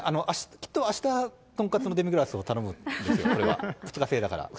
きっとあした、とんかつのデミグラスを頼むんですよ、これは、２日制だから。